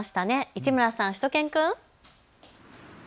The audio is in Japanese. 市村さん、しゅと犬くん。